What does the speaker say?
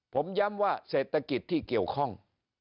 ผมย้ำว่าเศรษฐกิจที่เกี่ยวข้อง